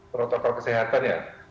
protokol kesehatan ya